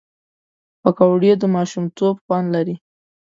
پکورې د ماشومتوب خوند لري